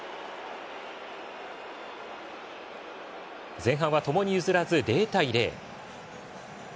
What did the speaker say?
前半はともに譲らず０対０。